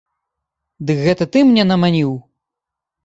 Дык гэта ты мне наманіў?